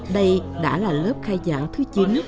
đây đã là lớp khai giảng thứ chín